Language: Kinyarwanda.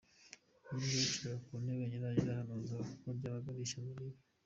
Iyo imbwa yicaraga ku ntebe nyirayo yarahanuzaga kuko ryabaga ari ishyano ribi.